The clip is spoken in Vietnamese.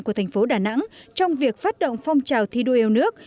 của thành phố đà nẵng trong việc phát động phong trào thi đua yêu nước